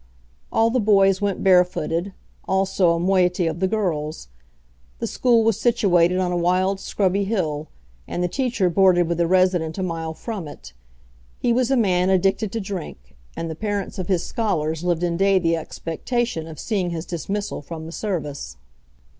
All the boys went barefooted, also a moiety of the girls. The school was situated on a wild scrubby hill, and the teacher boarded with a resident a mile from it. He was a man addicted to drink, and the parents of his scholars lived in daily expectation of seeing his dismissal from the service.